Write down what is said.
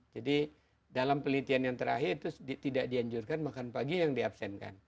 jadi dalam penelitian yang terakhir itu tidak dianjurkan makan pagi yang di absenkan